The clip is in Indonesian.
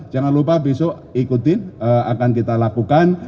jangan lupa besok ikutin akan kita lakukan